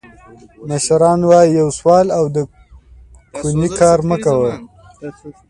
مشران وایي: یو سوال او د کونې کار مه کوه.